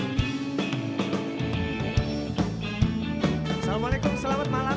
assalamualaikum selamat malam